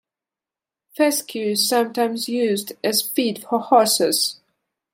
Fescue is sometimes used as feed for horses.